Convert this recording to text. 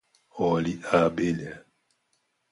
olhe a abelha